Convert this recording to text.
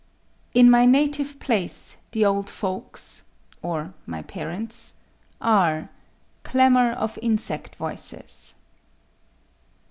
—"_In my native place the old folks [or, my parents] are—clamor of insect voices!